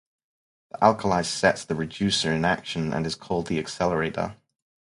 The alkali sets the reducer in action and is called the accelerator.